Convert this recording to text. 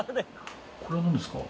これはなんですか？